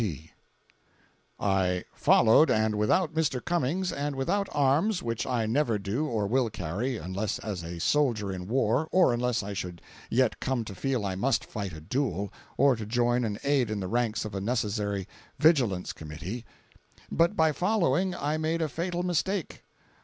T.:] I followed, and without Mr. Cummings, and without arms, which I never do or will carry, unless as a soldier in war, or unless I should yet come to feel I must fight a duel, or to join and aid in the ranks of a necessary Vigilance Committee. But by following I made a fatal mistake.